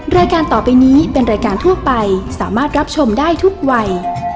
รายการต่อไปนี้เป็นรายการทั่วไปสามารถรับชมได้ทุกวัย